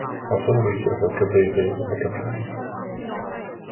Hoffwn weithio fel cyfrifydd yn y cyfryngau